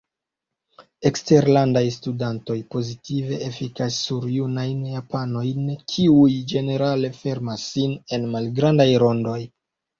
Eksterlandaj studantoj pozitive efikas sur junajn japanojn, kiuj ĝenerale fermas sin en malgrandaj rondoj.